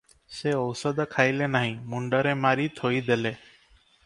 ସେ ଔଷଧ ଖାଇଲେ ନାହିଁ, ମୁଣ୍ତରେ ମାରି ଥୋଇଦେଲେ ।"